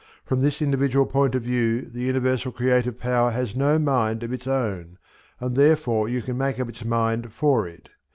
From this individual point of view the universal creative power has no mind of its own, and therefore you can make up its mind for it.